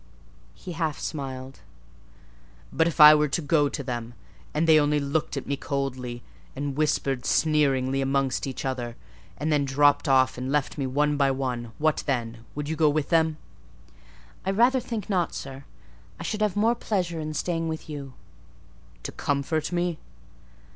He half smiled. "But if I were to go to them, and they only looked at me coldly, and whispered sneeringly amongst each other, and then dropped off and left me one by one, what then? Would you go with them?" "I rather think not, sir: I should have more pleasure in staying with you." "To comfort me?"